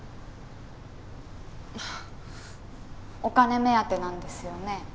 お金目当てなんですよね？